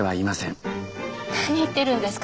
何言ってるんですか？